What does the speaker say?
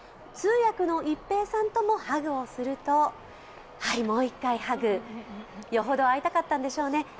通訳の一平さんともハグをすると、もう一回ハグ、よほど会いたかったんでしょうね。